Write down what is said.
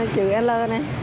chữ l này